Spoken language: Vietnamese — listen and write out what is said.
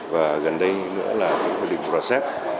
và gần đây nữa là hiệp định process